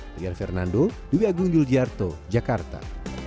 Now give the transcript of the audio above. dari fernando dwi agung yudhyarto jakarta